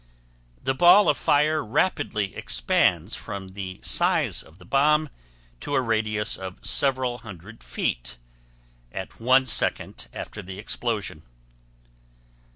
The ball of fire rapidly expands from the size of the bomb to a radius of several hundred feet at one second after the explosion.